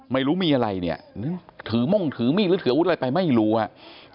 ไม่รู้มีอะไรเนี่ยถือม่งถือมีดหรือถืออาวุธอะไรไปไม่รู้อ่ะ